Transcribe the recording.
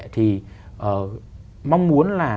thì mong muốn là